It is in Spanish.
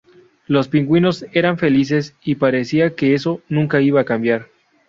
Los pingüinos eran felices y parecía que eso nunca iba a acabar.